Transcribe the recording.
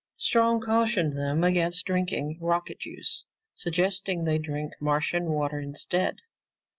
Strong cautioned them against drinking rocket juice, suggesting they drink Martian water instead.